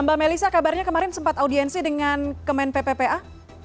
mbak melisa kabarnya kemarin sempat audiensi dengan kemen pppa